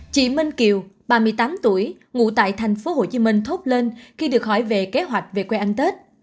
chị minh kiều ba mươi tám tuổi ngụ tại tp hcm thốt lên khi được hỏi về kế hoạch về quê ăn tết